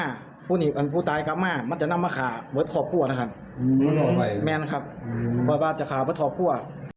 อันพูยภูตายกรับมาอันที่นี่จะมีภูตายข่าดวิทย์ขอบทั่ว